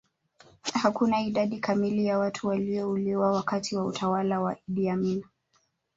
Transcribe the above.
hakuna idadi kamili ya watu waliouliwa wakati wa utawala wa idi amin